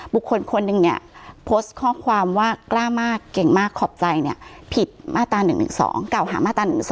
บุคคลคนหนึ่งเนี่ยโพสต์ข้อความว่ากล้ามากเก่งมากขอบใจเนี่ยผิดมาตรา๑๑๒เก่าหามาตรา๑๒